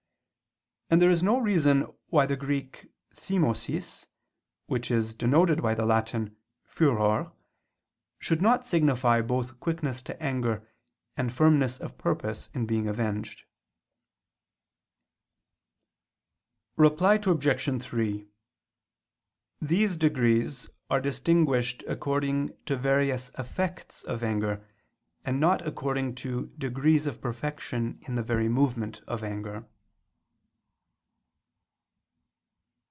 And there is no reason why the Greek thymosis, which is denoted by the Latin furor, should not signify both quickness to anger, and firmness of purpose in being avenged. Reply Obj. 3: These degrees are distinguished according to various effects of anger; and not according to degrees of perfection in the very movement of anger.